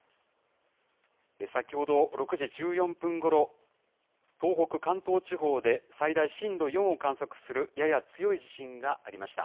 先ほど、６時１４分ごろ、東北・関東地方で最大震度４を観測するやや強い地震がありました。